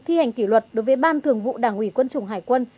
thi hành kỷ luật đối với ban thường vụ đảng ủy quân chủng hải quân